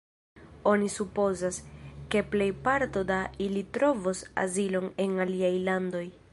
Oni supozas, ke plejparto da ili trovos azilon en aliaj landoj.